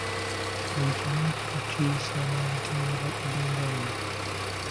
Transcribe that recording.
Buli kimu tukiyisa mu mitendera egy'enjawulo.